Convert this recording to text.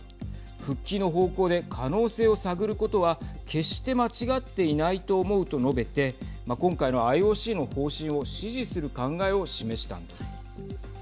復帰の方向で可能性を探ることは決して間違っていないと思うと述べて今回のＩＯＣの方針を支持する考えを示したんです。